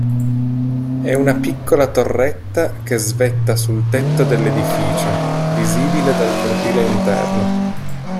È una piccola torretta che svetta sul tetto dell'edificio, visibile dal cortile interno.